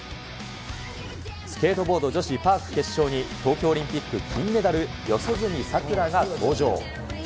スケートボード女子パーク決勝に、東京オリンピック金メダル、四十住さくらが登場。